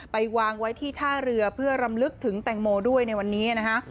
ไปวางไว้ที่ท่าเรือเพื่อรำลึกถึงแตงโมด้วยในวันนี้นะฮะ